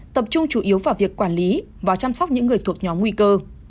tập trung chủ yếu vào việc quản lý và chăm sóc những người thuộc nhóm nguy cơ